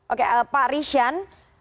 oke pak rishan